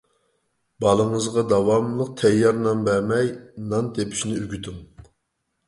بالىڭىزغا داۋاملىق تەييار نان بەرمەي، نان تېپىشنى ئۆگىتىڭ.